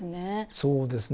そうですね。